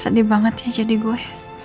sedih banget ya jadi gue